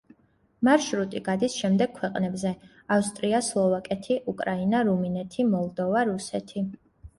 მარშრუტი გადის შემდეგ ქვეყნებზე: ავსტრია, სლოვაკეთი, უკრაინა, რუმინეთი, მოლდოვა, რუსეთი.